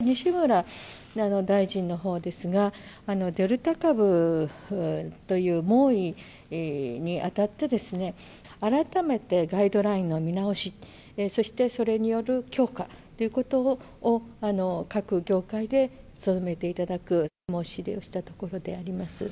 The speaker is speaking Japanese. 西村大臣のほうですが、デルタ株という猛威にあたってですね、改めてガイドラインの見直し、そしてそれによる強化ということを、各業界で努めていただく、申し入れをしたところであります。